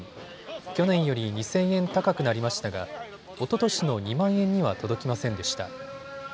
去年より２０００円高くなりましたがおととしの２万円には届きませんでした。